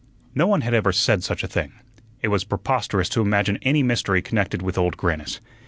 No one had ever said such a thing. It was preposterous to imagine any mystery connected with Old Grannis.